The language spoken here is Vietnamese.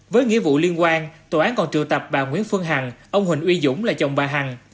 với nghĩa vụ liên quan tòa án còn triệu tập bà nguyễn phương hằng ông huỳnh uy dũng là chồng bà hằng